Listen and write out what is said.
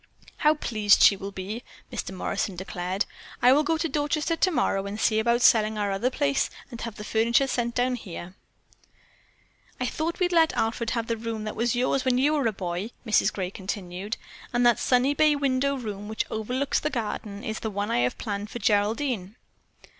"How pleased she will be," Mr. Morrison declared. "I will go to Dorchester tomorrow and see about selling our other place and have the furniture sent down here." "I thought we'd let Alfred have the room that was yours when you were a boy," Mrs. Gray continued, "and that sunny bay window room which overlooks the garden is the one I have planned for Geraldine."